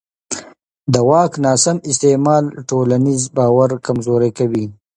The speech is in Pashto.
د واک ناسم استعمال ټولنیز باور کمزوری کوي